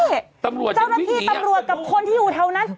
นี่ตำรวจเจ้าหน้าที่ตำรวจกับคนที่อยู่แถวนั้น